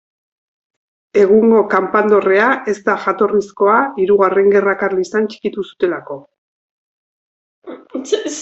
Egungo kanpandorrea ez da jatorrizkoa Hirugarren Gerra Karlistan txikitu zutelako.